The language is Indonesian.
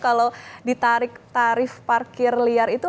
kalau ditarik tarif parkir liar itu